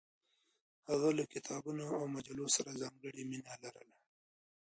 هغه له کتابونو او مجلو سره ځانګړې مینه لرله.